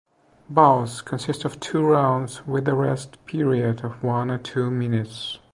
Bouts consist of two rounds with a rest period of one and two minutes.